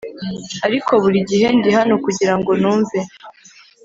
ariko buri gihe ndi hano kugirango numve